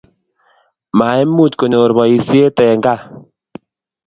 Maimuch konyor boishet eng kaa